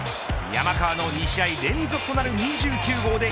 山川の２試合連続となる２９号で